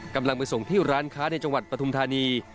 กำลังไปส่งที่ร้านค้าในจังหวัดปฐุมธานี